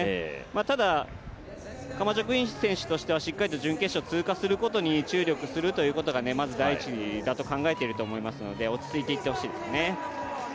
ただ、カマチョ・クイン選手としては、しっかりと準決勝を通過することに注力するということがまず第一だと考えていると思いますので、落ち着いていってほしいですね。